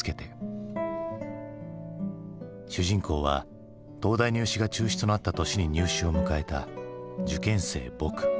主人公は東大入試が中止となった年に入試を迎えた受験生「ぼく」。